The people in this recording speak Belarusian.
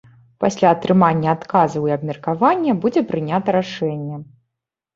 Пасля атрымання адказаў і абмеркавання будзе прынята рашэнне.